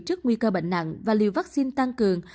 trước nguy cơ bệnh nặng và liều vaccine tăng cường